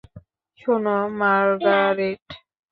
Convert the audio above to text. শোনো, মার্গারেট।